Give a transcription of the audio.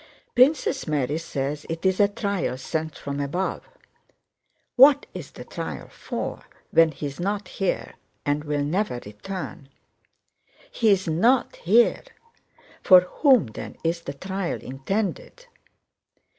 Princess Mary says it is a trial sent from above. What is the trial for, when he is not here and will never return? He is not here! For whom then is the trial intended?